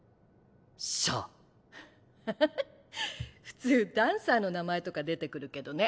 普通ダンサーの名前とか出てくるけどね。